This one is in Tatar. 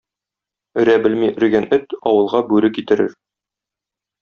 Өрә бeлми өргән эт aвылгa бүрe китeрeр.